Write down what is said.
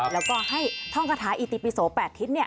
แล้วก็ให้ท่องคาถาอิติปิโส๘ทิศ